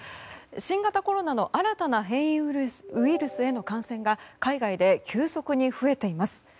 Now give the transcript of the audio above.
新型コロナの新たな変異ウイルスへの感染が海外で急速に増えています。